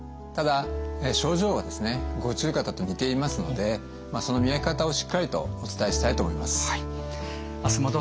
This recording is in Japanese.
ただ症状は五十肩と似ていますのでその見分け方をしっかりとお伝えしたいと思います。